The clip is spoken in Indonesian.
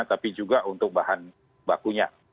tapi juga untuk bahan bakunya